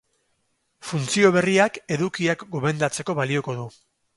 Funtzio berriak edukiak gomendatzeko balioko du.